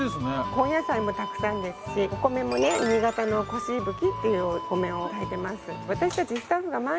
根野菜もたくさんですしお米もね新潟のこしいぶきっていうお米を炊いてます